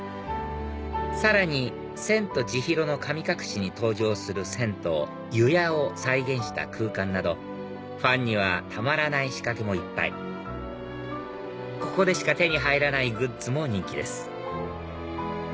さらに『千と千尋の神隠し』に登場する銭湯油屋を再現した空間などファンにはたまらない仕掛けもいっぱいここでしか手に入らないグッズも人気です